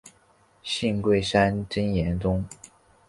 信贵山真言宗。